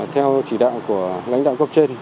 theo chỉ đạo của lãnh đạo cấp trên